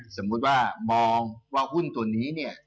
สมมุติว่ามองว่าหุ้นตัวนี้เนี่ย